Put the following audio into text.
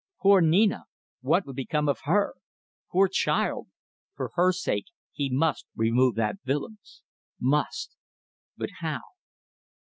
Poor Nina. What would become of her? Poor child. For her sake he must remove that Willems. Must. But how?